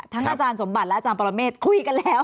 อาจารย์สมบัติและอาจารย์ปรเมฆคุยกันแล้ว